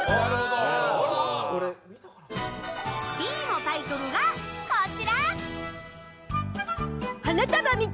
Ｂのタイトルが、こちら！